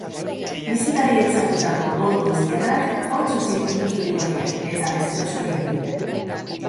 Bisitariek sartutako gol goiztiarrak hotz utzi ditu zuri-gorriak, eta deseroso aritu dira.